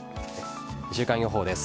週間予報です。